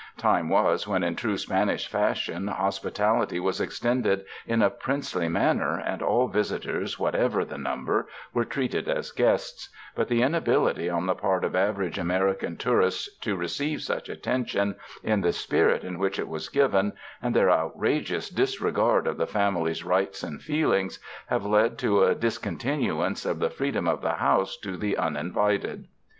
Time was when in true Spanish fashion, hospitality was extended in a princely manner, and all visitors, whatever the number, were treated as guests; but the inability on the part of average American tour ists to receive such attention in the spirit in which it was given, and their outrageous disregard of the family's rights and feelings, have led to a discon tinuance of the freedom of the house to the unin vited.